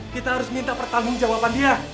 kita harus minta pertanggung jawaban dia